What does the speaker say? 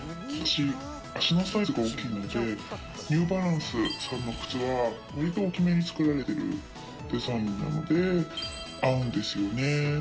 私、足のサイズが大きいので、ニューバランスの靴は、割と大きめに作られているデザインなので合うんですよね。